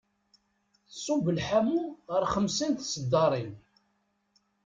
Tṣub lḥamu ɣer xemsa n tseddarin.